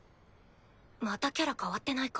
またキャラ変わってないか？